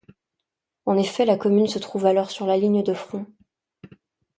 En effet la commune se trouve alors sur la ligne de front.